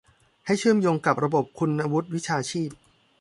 ให้เชื่อมโยงกับระบบคุณวุฒิวิชาชีพ